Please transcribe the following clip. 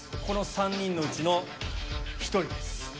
この３人のうちの１人です。